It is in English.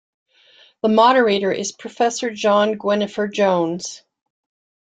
The Moderator is Professor John Gwynfor Jones.